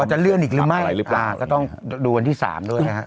ว่าจะเลื่อนอีกหรือไม่ก็ต้องดูวันที่๓เลยค่ะ